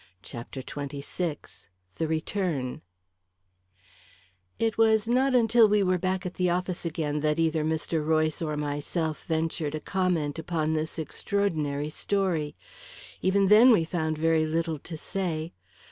CHAPTER XXVI The Return It was not until we were back at the office again that either Mr. Royce or myself ventured a comment upon this extraordinary story. Even then, we found very little to say.